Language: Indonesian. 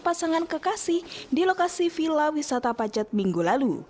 pasangan kekasih di lokasi villa wisata pacet minggu lalu